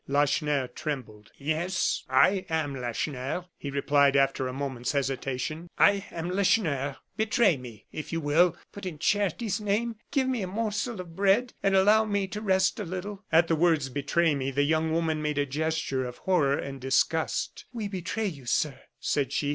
Lacheneur trembled. "Yes, I am Lacheneur," he replied, after a moment's hesitation; "I am Lacheneur. Betray me, if you will, but in charity's name give me a morsel of bread, and allow me to rest a little." At the words "betray me," the young woman made a gesture of horror and disgust. "We betray you, sir!" said she.